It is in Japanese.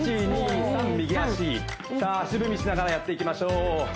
右足さあ足踏みしながらやっていきましょう